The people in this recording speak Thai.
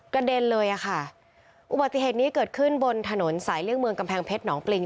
เด็นเลยอ่ะค่ะอุบัติเหตุนี้เกิดขึ้นบนถนนสายเลี่ยงเมืองกำแพงเพชรหนองปริง